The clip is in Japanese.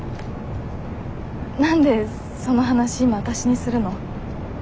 何でその話今わたしにするの？